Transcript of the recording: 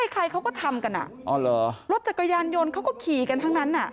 ใครเขาก็ทำกันรถจักรยานยนต์เขาก็ขี่กันทั้งนั้น